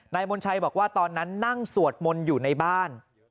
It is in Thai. มณชัยบอกว่าตอนนั้นนั่งสวดมนต์อยู่ในบ้าน